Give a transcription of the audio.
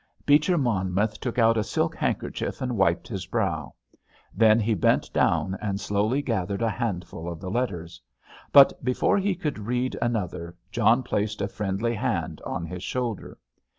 Beecher Monmouth took out a silk handkerchief and wiped his brow. Then he bent down and slowly gathered a handful of the letters. But before he could read another, John placed a friendly hand on his shoulder.